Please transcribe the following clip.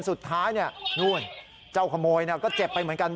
สุดท้ายนู่นเจ้าขโมยก็เจ็บไปเหมือนกัน